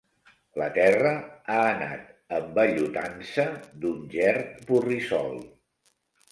La terra ha anat envellutant-se d'un gerd borrissol.